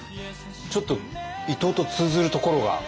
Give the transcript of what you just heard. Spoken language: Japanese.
ちょっと伊藤と通ずるところが。